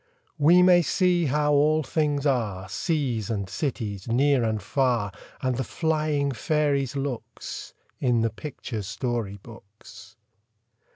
We may see how all things are, Seas and cities, near and far, And the flying fairies' looks, In the picture story books.